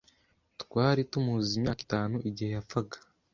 Twari tumuzi imyaka itanu igihe yapfaga.